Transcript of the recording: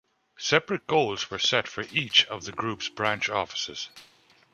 Separate goals were set for each of the group's branch offices.